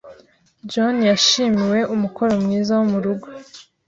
John yashimiwe umukoro mwiza wo mu rugo.